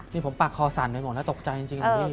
นี่ผมปากคอสั่นไปหมดแล้วตกใจจริงพี่